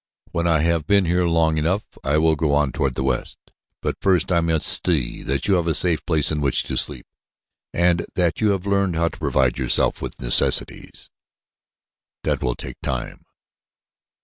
When I have been here long enough I will go on toward the west, but first I must see that you have a safe place in which to sleep, and that you have learned how to provide yourself with necessaries. That will take time."